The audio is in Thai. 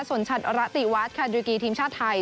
ส่วนชาติระติวัฒน์ค่ะด้วยกี่ทีมชาติไทย